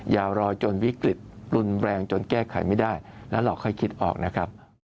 อย่ารอจนวิกฤตรุนแรงจนแก้ไขไม่ได้แล้วเราค่อยคิดออกนะครับ